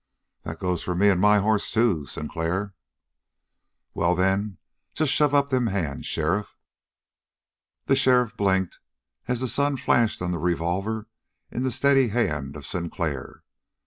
"That goes for me and my hoss, too, Sinclair." "Well, then, just shove up them hands, sheriff!" The sheriff blinked, as the sun flashed on the revolver in the steady hand of Sinclair.